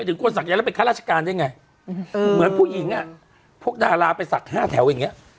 ก็ถึงสัชยันจากค่าราชกาลด้วยไงเหมือนผู้หญิงอ่ะพวกดาราไปสระ๕แถวอย่างนี้